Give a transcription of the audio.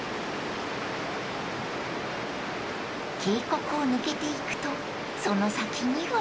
［渓谷を抜けていくとその先には］